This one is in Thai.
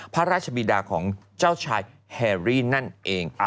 พระราชบีดาของเจ้าชายแฮรี่นั่นเอง